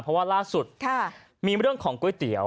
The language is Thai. เพราะว่าล่าสุดมีเรื่องของก๋วยเตี๋ยว